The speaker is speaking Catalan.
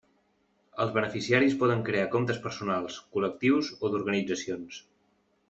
Els beneficiaris poden crear comptes personals, col·lectius o d'organitzacions.